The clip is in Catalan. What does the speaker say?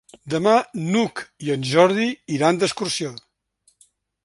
Demà n'Hug i en Jordi iran d'excursió.